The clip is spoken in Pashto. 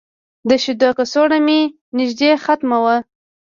د شیدو کڅوړه مې نږدې ختمه وه.